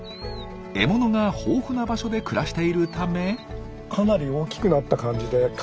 獲物が豊富な場所で暮らしているため。